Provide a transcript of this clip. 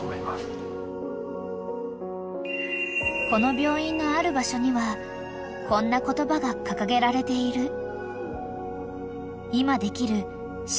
［この病院のある場所にはこんな言葉が掲げられている］